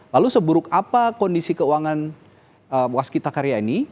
lalu seburuk apa kondisi keuangan waskita karya ini